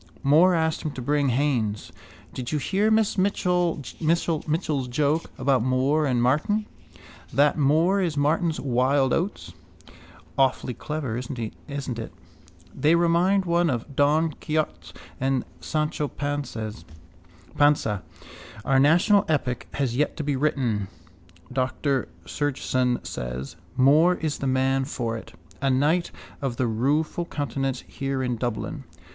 Moore asked him to bring Haines. Did you hear Miss Mitchell's joke about Moore and Martyn? That Moore is Martyn's wild oats? Awfully clever, isn't it? They remind one of Don Quixote and Sancho Panza. Our national epic has yet to be written, Dr Sigerson says. Moore is the man for it. A knight of the rueful countenance here in Dublin.